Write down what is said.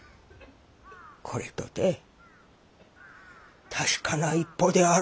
これとて確かな一歩であろう。